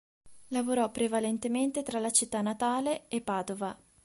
Lavorò prevalentemente tra la città natale e Padova.